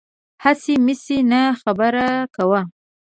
هسې مسې نه، خبره کوه